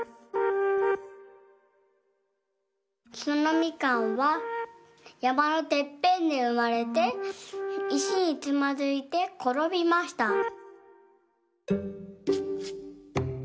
そのみかんはやまのてっぺんでうまれていしにつまずいてころびました。